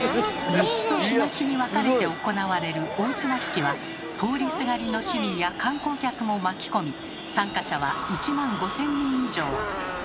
西と東に分かれて行われる大綱挽は通りすがりの市民や観光客も巻き込み参加者は１万５，０００人以上。